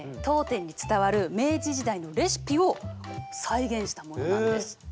当店に伝わる明治時代のレシピを再現したものなんです。